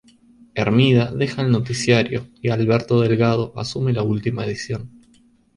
Hermida deja el noticiario y Alberto Delgado asume la última edición.